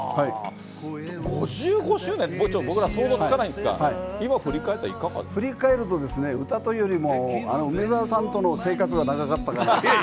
５５周年って、僕なんか想像つかないんですが、振り返ると歌というよりも、梅沢さんとの生活が長かったから。